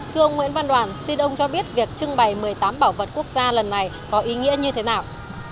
thưa ông nguyễn văn đoàn xin ông cho biết việc trưng bày một mươi tám bảo vật quốc gia lần này có ý nghĩa như thế nào